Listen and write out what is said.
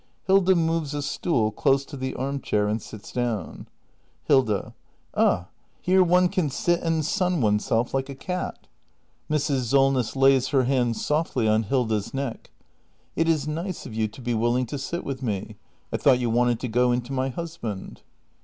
[Hilda moves a stool close to the arm chair and sits down. Hilda. Ah — here one can sit and sun oneself like a cat. 390 THE MASTER BUILDER [act hi Mrs. Solness. [Lays her hand softly on Hilda's neck.] It is nice of you to be willing to sit with me. I thought you wanted to go in to my husband.